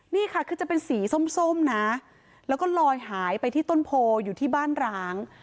นี่ค่ะคือจะเป็นสีส้มนะแล้วก็ลอยหายไปที่ต้นโพอยู่ที่บ้านร้าง